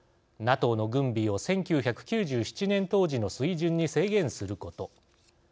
ＮＡＴＯの軍備を１９９７年当時の水準に制限すること。